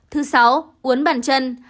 thứ sáu uốn bàn chân